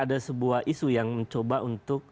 ada sebuah isu yang mencoba untuk